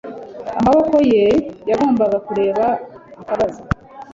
Amaboko ye Yagombaga kureba akabaza